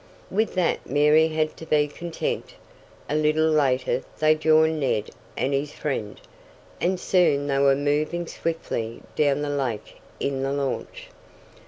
With that Mary had to be content. A little later they joined Ned and his friend, and soon they were moving swiftly down the lake in the launch.